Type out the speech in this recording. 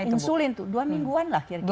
insulin tuh dua mingguan lah kira kira